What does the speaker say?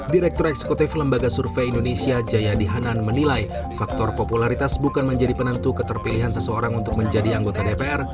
direktur eksekutif lembaga survei indonesia jayadi hanan menilai faktor popularitas bukan menjadi penentu keterpilihan seseorang untuk menjadi anggota dpr